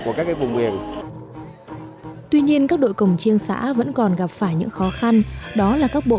của các vùng miền tuy nhiên các đội cổng chiêng xã vẫn còn gặp phải những khó khăn đó là các bộ